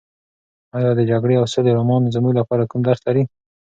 ایا د جګړې او سولې رومان زموږ لپاره کوم درس لري؟